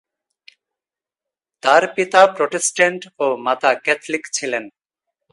তার পিতা প্রটেস্ট্যান্ট ও মাতা ক্যাথলিক ছিলেন।